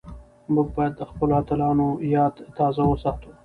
موږ بايد د خپلو اتلانو ياد تازه وساتو.